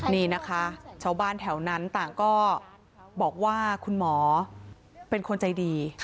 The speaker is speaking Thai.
นี่นะคะชาวบ้านแถวนั้นต่างก็บอกว่าคุณหมอเป็นคนใจดี